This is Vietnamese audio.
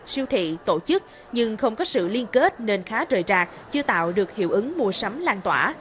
siêu thị tổ chức nhưng không có sự liên kết nên khá trời trạc chưa tạo được hiệu ứng mua sắm lan tỏa